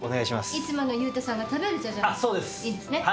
いつもの裕太さんが食べるじゃじゃ麺でいいですね。